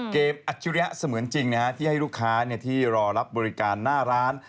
อัจฉริยะเสมือนจริงที่ให้ลูกค้าที่รอรับบริการหน้าร้าน